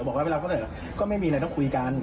บอกว่าไม่รับข้อเสนอก็ไม่มีอะไรต้องคุยกัน